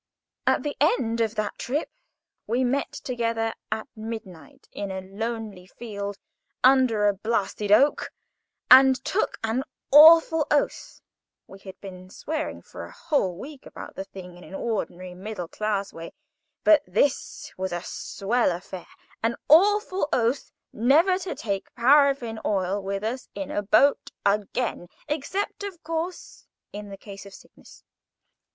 At the end of that trip we met together at midnight in a lonely field, under a blasted oak, and took an awful oath (we had been swearing for a whole week about the thing in an ordinary, middle class way, but this was a swell affair)—an awful oath never to take paraffine oil with us in a boat again except, of course, in case of sickness.